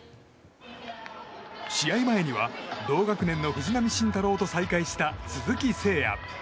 試合前には同学年の藤浪晋太郎と再会した鈴木誠也。